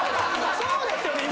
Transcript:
そうですよね！